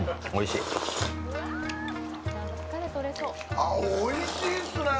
ああ、おいしいっすね。